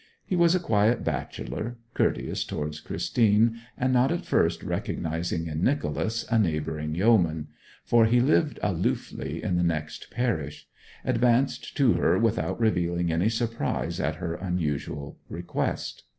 He was a quiet bachelor, courteous towards Christine, and not at first recognizing in Nicholas a neighbouring yeoman (for he lived aloofly in the next parish), advanced to her without revealing any surprise at her unusual request.